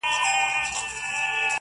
• سړي وایې موږکانو دا کار کړﺉ..